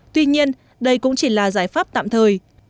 tuy nhiên đây cũng chỉ là giải pháp tạm thời